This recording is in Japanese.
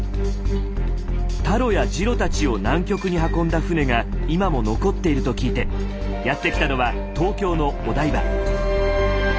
タロやジロたちを南極に運んだ船が今も残っていると聞いてやって来たのは東京のお台場。